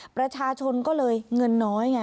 ประชาชนก็เลยเงินน้อยไง